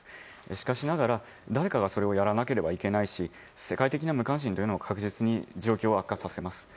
しかしながら誰かがそれをやらなければいけないし世界的に無関心は状況は悪化させます。